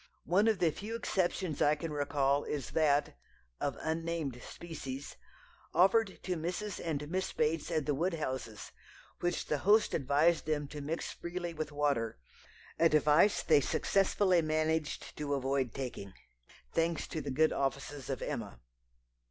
One of the few exceptions I can recall is that of unnamed species offered to Mrs. and Miss Bates at the Woodhouses', which the host advised them to mix freely with water, advice they successfully managed to avoid taking, thanks to the good offices of Emma.